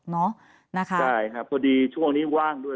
ใช่ครับพอดีช่วงนี้ว่างด้วย